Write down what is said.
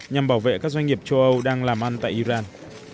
nhằm bảo vệ các doanh nghiệp châu âu đang làm ăn tại iran